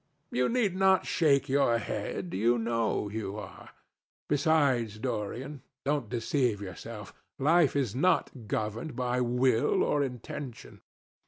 You need not shake your head: you know you are. Besides, Dorian, don't deceive yourself. Life is not governed by will or intention.